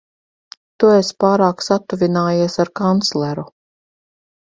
Tu esi pārāk satuvinājies ar kancleru.